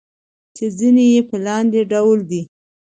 چې ځينې يې په لاندې ډول دي: